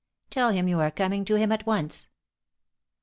Tell him you are coming to him at once."